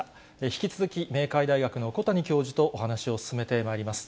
引き続き明海大学の小谷教授とお話を進めてまいります。